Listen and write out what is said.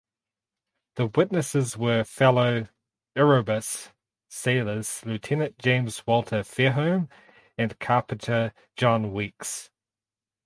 The witnesses were fellow "Erebus" sailors Lieutenant James Walter Fairholme and Carpenter John Weekes.